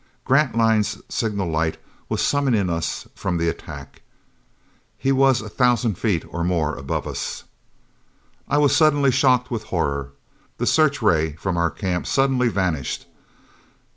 Grantline's signal light was summoning us from the attack. He was a thousand feet or more above us. I was suddenly shocked with horror. The searchray from our camp suddenly vanished!